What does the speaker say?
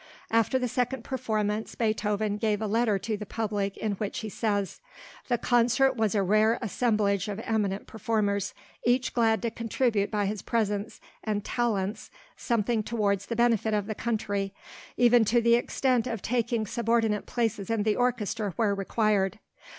After the second performance Beethoven gave a letter to the public in which he says, "The concert was a rare assemblage of eminent performers, each glad to contribute by his presence and talents something towards the benefit of the country, even to the extent of taking subordinate places in the orchestra where required.